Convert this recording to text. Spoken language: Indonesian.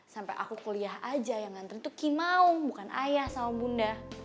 sampai aku kuliah aja yang nganterin tuh kim maung bukan ayah sama bunda